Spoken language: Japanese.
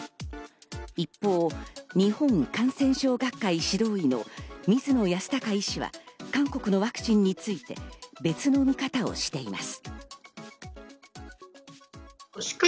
一方、日本感染症学会・指導医の水野泰孝医師は韓国のワクチンについて別の見方をしています。